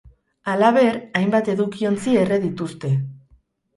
Halaber, hainbat edukiontzi erre dituzte.